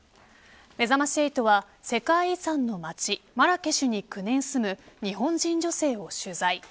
めざまし８は、世界遺産の街マラケシュに９年住む日本人女性を取材。